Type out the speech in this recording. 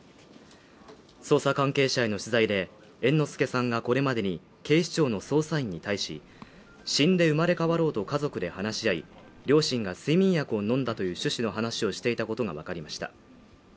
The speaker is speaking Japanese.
捜査関係者への取材で、猿之助さんがこれまでに警視庁の捜査員に対し死んで生まれ変わろうと家族で話し合い、両親が睡眠薬を飲んだという趣旨の話をしていたことがわかりました。